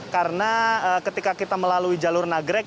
karena ketika kita melalui jalur nagreg